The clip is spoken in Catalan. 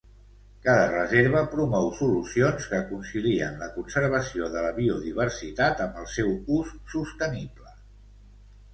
Cada reserva promou solucions que concilien la conservació de la biodiversitat amb el seu ús sostenible.